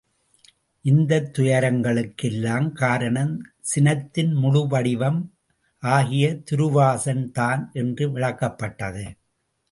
இந்தத் துயரங்களுக்கு எல்லாம் காரணம் சினத்தின்முழு வடிவம் ஆகிய துருவாசன் தான் என்று விளக்கப்பட்டது.